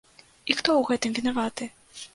І хто ў гэтым вінаваты?